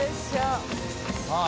さあ